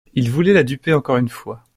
Il voulait la duper encore une fois.